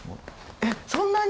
えっそんなに？